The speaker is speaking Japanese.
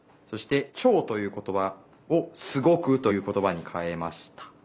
そして「ちょう」ということばを「すごく」ということばにかえました。